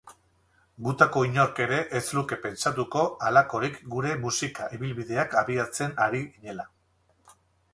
Gutako inork ere ez luke pentsatuko halakorik gure musika ibilbideak abiatzen ari ginela.